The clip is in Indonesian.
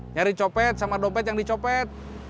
nyari copet sama dompet yang dicopet